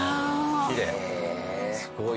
きれい。